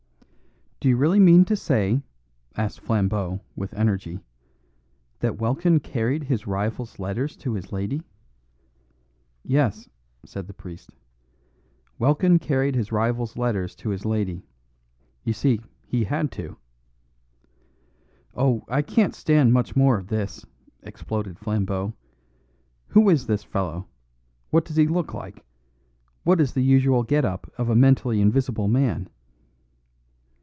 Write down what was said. "Do you really mean to say," asked Flambeau, with energy, "that Welkin carried his rival's letters to his lady?" "Yes," said the priest. "Welkin carried his rival's letters to his lady. You see, he had to." "Oh, I can't stand much more of this," exploded Flambeau. "Who is this fellow? What does he look like? What is the usual get up of a mentally invisible man?"